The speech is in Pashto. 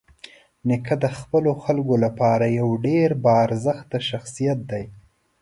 نیکه د خپلو خلکو لپاره یوه ډېره باارزښته شخصيت دی.